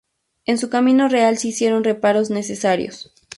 En su camino real se hicieron reparos necesarios.